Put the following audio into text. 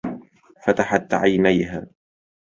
فتحت عينيها.